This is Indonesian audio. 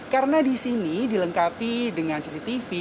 karena di sini dilengkapi dengan cctv